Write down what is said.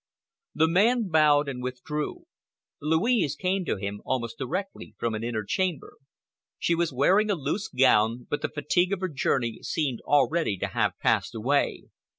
The man bowed and withdrew. Louise came to him almost directly from an inner chamber. She was wearing a loose gown, but the fatigue of her journey seemed already to have passed away.